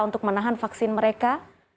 untuk menahan vaksin mereka